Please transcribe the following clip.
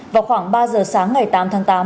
vào khoảng ba giờ sáng ngày tám tháng tám